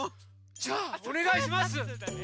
じゃあおねがいします！